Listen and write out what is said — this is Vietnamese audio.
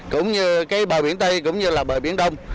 cũng như cái bờ biển tây cũng như là bờ biển đông